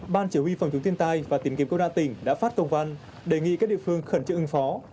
ban chỉ huy phòng chống thiên tai và tìm kiếm cơ đa tỉnh đã phát công văn đề nghị các địa phương khẩn trương ứng phó